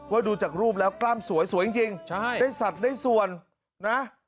ดูจากรูปแล้วกล้ามสวยสวยจริงได้สัตว์ได้ส่วนนะ